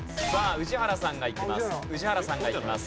宇治原さんがいきます。